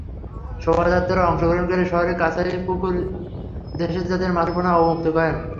শোভাযাত্রায় অংশগ্রহণকারীরা শহরের কাচারি পুকুরে দেশি জাতের মাছের পোনা অবমুক্ত করেন।